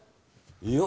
いや。